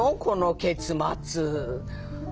この結末。